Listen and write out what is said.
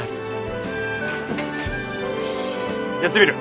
やってみる？